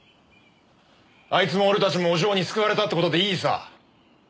あいつも俺たちもお嬢に救われたって事でいいさ。